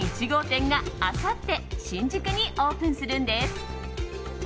１号店が、あさって新宿にオープンするんです。